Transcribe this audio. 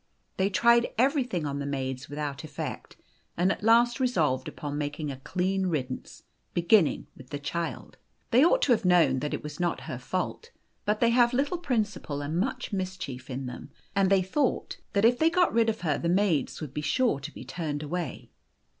They tried everything on the maids without effect, and at last resolved upon making a clean riddance, beginning with the child. They ought to have known that it was not her fault, but they have little principle and much mischief in them, and they thought that if they got rid of her the maids would be sure to be turned away.